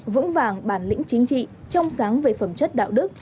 vững vàng bản lĩnh chính trị trong sáng về phẩm chất đạo đức